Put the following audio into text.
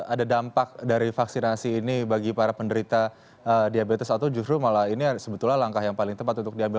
ada dampak dari vaksinasi ini bagi para penderita diabetes atau justru malah ini sebetulnya langkah yang paling tepat untuk diambil